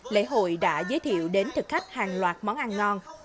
lễ hội đã giới thiệu đến thực khách hàng loạt món ăn ngon